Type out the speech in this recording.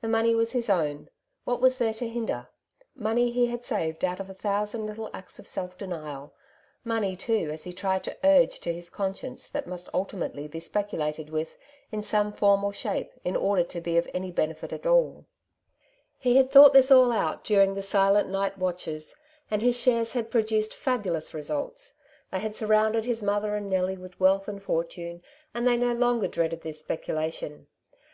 The money was his own ; what was there to hinder ? Money he had saved out of a thousand little acts of self denial ; money, too, as he tried to urge to his conscience, that must ultimately be speculated with, in some form or shape, in order to be of any benefit at all. He had thought this all out during the silent night watches, and his shares had produced fabulous results — they had surrounded I 2 % 1 16 " Two Sides to every Question^ his motlier and Nellie with wealth and fortune, and they no longer dreaded the speculation.